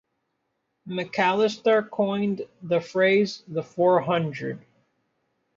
McAllister coined the phrase "The Four Hundred".